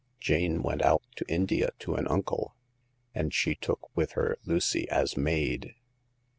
Jane went out to India to an uncle, and she took with her Lucy as maid.